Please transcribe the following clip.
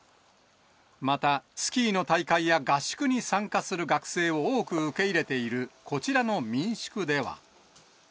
また、スキーの大会や合宿に参加する学生を多く受け入れているこちらの民宿では。